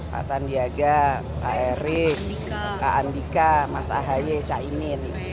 pak sandiaga pak erik pak andika mas ahaye caimin